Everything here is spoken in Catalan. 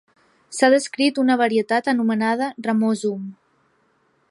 S'ha descrit una varietat anomenada "ramosum".